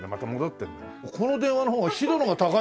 この電話の方が白の方が高いんだ。